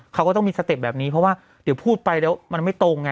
เขาก็ต้องมีสเต็ปแบบนี้เพราะว่าเดี๋ยวพูดไปแล้วมันไม่ตรงไง